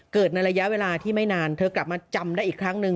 ในระยะเวลาที่ไม่นานเธอกลับมาจำได้อีกครั้งหนึ่ง